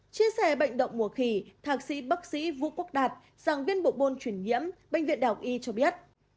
chia sẻ bệnh động mùa khỉ thạc sĩ bác sĩ vũ quốc đạt giảng viên bộ bôn chuyển nhiễm bệnh viện đào y cho biết